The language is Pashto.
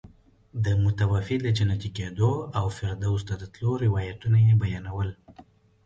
د متوفي د جنتي کېدو او فردوس ته د تلو روایتونه یې بیانول.